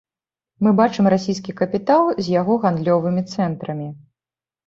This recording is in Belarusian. Мы бачым расійскі капітал з яго гандлёвымі цэнтрамі.